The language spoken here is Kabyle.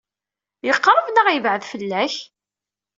Yeqṛeb neɣ yebɛed fell-ak?